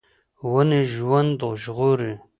ونې ژوند ژغوري.